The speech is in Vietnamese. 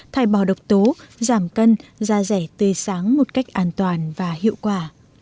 thải bò độc tố giảm cân da rẻ tươi sáng một cách an toàn và hiệu quả